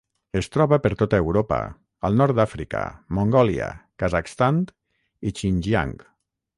Es troba per tota Europa, al nord d'Àfrica, Mongòlia, Kazakhstan i Xinjiang.